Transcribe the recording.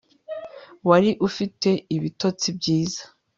wari ufite ibitotsi byiza